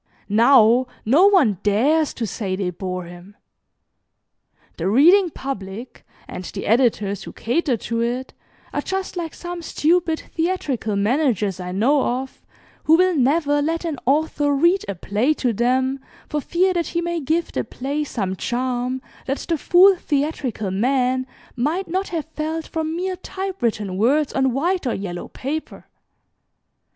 Now no one dares to say they bore him. The reading public, and the editors who cater to it, are just like some stupid theatrical managers I know of, who will never let an author read a play to them for fear that he may give the play some charm that the fool theatrical man might not have felt from mere type written words on white or yellow paper.